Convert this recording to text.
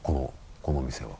このお店は。